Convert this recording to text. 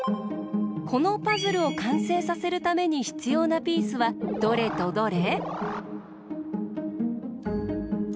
このパズルをかんせいさせるためにひつようなピースはどれとどれ？